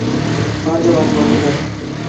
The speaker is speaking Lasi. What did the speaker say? پانجو وات بند ڪر